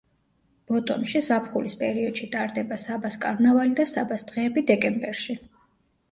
ბოტომში ზაფხულის პერიოდში ტარდება საბას კარნავალი და საბას დღეები დეკემბერში.